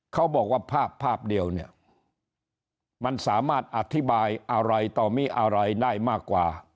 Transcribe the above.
เขาบอกว่าภาพภาพเดียวเนี่ยมันสามารถอธิบายอะไรต่อมีอะไรได้มากกว่า